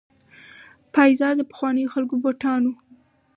پایزار د پخوانیو خلکو بوټان وو.